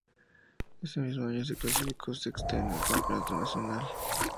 Ese mismo año se clasificó sexta en el Campeonato Nacional.